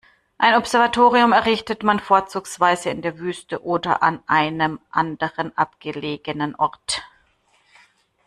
Ein Observatorium errichtet man vorzugsweise in der Wüste oder an einem anderen abgelegenen Ort.